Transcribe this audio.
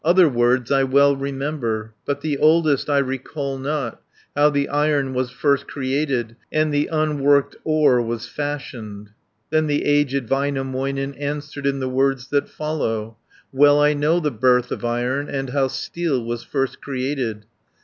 20 Other words I well remember, But the oldest I recall not, How the iron was first created, And the unworked ore was fashioned." Then the aged Väinämöinen Answered in the words that follow: "Well I know the birth of Iron, And how steel was first created.